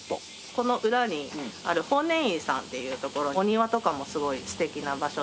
この裏にある法然院さんっていう所お庭とかもすごい素敵な場所で。